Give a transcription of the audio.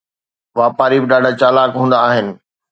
واپاري به ڏاڍا چالاڪ هوندا آهن.